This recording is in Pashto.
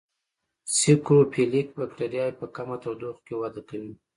سیکروفیلیک بکټریاوې په کمه تودوخه کې وده کوي.